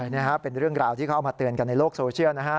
นี่ครับเป็นเรื่องราวที่เขาเอามาเตือนกันในโลกโซเชียลนะฮะ